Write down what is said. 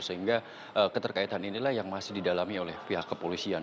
sehingga keterkaitan inilah yang masih didalami oleh pihak kepolisian